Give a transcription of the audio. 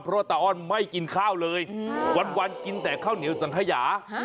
เพราะว่าตาอ้อนไม่กินข้าวเลยวันกินแต่ข้าวเหนียวสังขยา